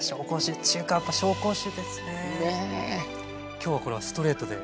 今日はこれはストレートで。